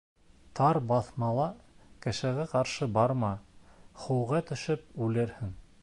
Тар баҫмала кешегә ҡаршы барма; һыуға төшөп үлерһең.